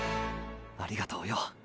ありがとうよ。